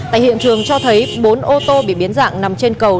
tại hiện trường cho thấy bốn ô tô bị biến dạng nằm trên cầu